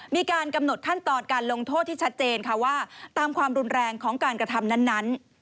มีการกำหนดขั้นตอนการลงโทษที่ชัดเจนค่ะว่าตามความรุนแรงของการกระทำนั้น